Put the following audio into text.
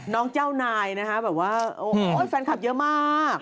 น้องเจ้านายนะครับแบบว่าโอ๊ยแฟนคลับเยอะมาก